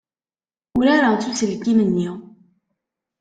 Urareɣ s uselkim-nni.